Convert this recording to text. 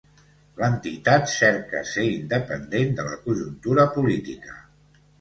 L'entitat cerca ser independent de la conjuntura política.